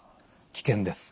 危険です。